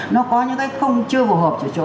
nó có những cái không chưa hợp chỗ chỗ